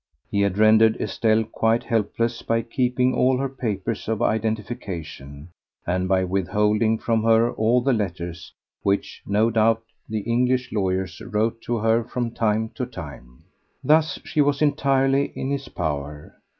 He had rendered Estelle quite helpless by keeping all her papers of identification and by withholding from her all the letters which, no doubt, the English lawyers wrote to her from time to time. Thus she was entirely in his power.